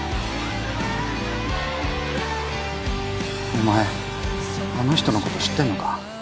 お前あの人のこと知ってんのか？